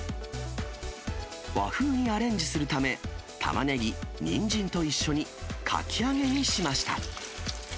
和風にアレンジするため、タマネギ、ニンジンと一緒にかき揚げにしました。